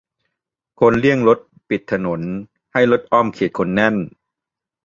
คนเลี่ยงรถ ปิดถนน-ให้รถอ้อมเขตคนแน่น